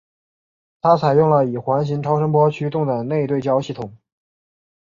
它采用了以环形超声波驱动的内对焦系统。